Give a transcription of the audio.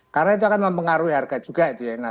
karena itu akan mempengaruhi harga juga